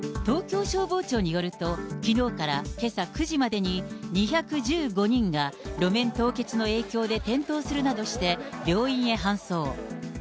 東京消防庁によると、けさ９時までに２１５人が、路面凍結の影響で転倒するなどして、病院へ搬送。